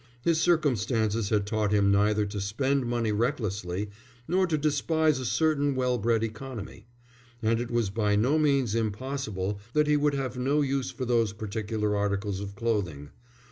His circumstances had taught him neither to spend money recklessly, nor to despise a certain well bred economy; and it was by no means impossible that he would have no use for those particular articles of clothing.